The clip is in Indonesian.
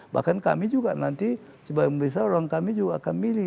bahkan kami juga nanti sebagian besar orang kami juga akan milih